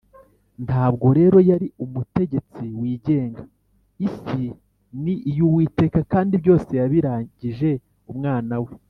. Ntabwo rero yari umutegetsi wigenga. Isi ni iy’Uwiteka, kandi byose yabiragije Umwana we